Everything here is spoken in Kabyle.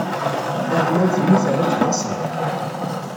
Tarennawt-nni terra-t d asaḍ.